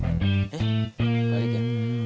eh balik ya